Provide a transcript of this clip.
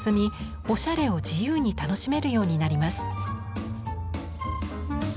おしゃれを自由に楽しめるようになります。